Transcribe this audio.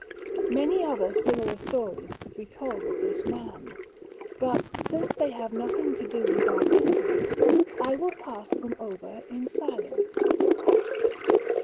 Many other similar stories could be told of this man, but, since they have nothing to do with our history, I will pass them over in silence.